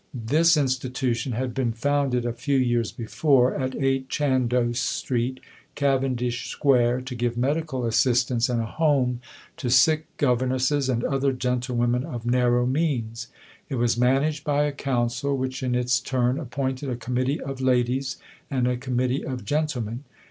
This institution had been founded a few years before, at 8 Chandos Street, Cavendish Square, to give medical assistance and a home to sick governesses and other gentlewomen of narrow means. It was managed by a Council, which in its turn appointed a "Committee of Ladies" and a "Committee of Gentlemen."